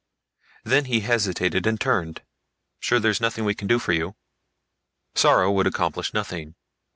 Then he hesitated and turned. "Sure there's nothing we can do for you?" Sorrow would accomplish nothing.